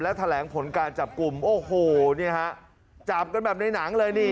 และแถลงผลการจับกลุ่มโอ้โหนี่ฮะจับกันแบบในหนังเลยนี่